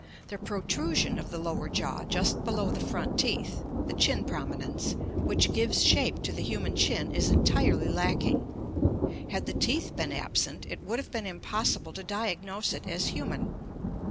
The protrusion of the lower jaw just below the front teeth [the chin prominence] which gives shape to the human chin is entirely lacking. Had the teeth been absent it would have been impossible to diagnose it as human.